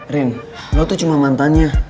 rin lo tuh cuma mantannya